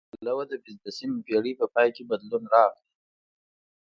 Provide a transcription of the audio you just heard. له همدې پلوه د پنځلسمې پېړۍ په پای کې بدلون راغی